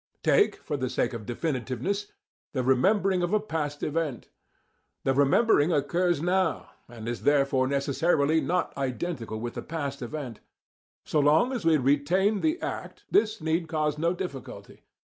Take, for the sake of definiteness, the remembering of a past event. The remembering occurs now, and is therefore necessarily not identical with the past event. So long as we retain the act, this need cause no difficulty.